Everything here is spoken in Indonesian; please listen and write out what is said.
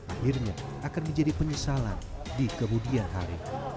akhirnya akan menjadi penyesalan di kemudian hari